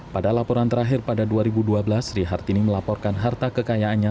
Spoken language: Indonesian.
pada laporan terakhir pada dua ribu dua belas sri hartini melaporkan harta kekayaannya